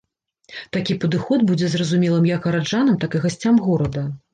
Такі падыход будзе зразумелым як гараджанам, так і гасцям горада.